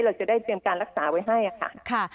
เราจะได้เตรียมการรักษาไว้ให้ค่ะ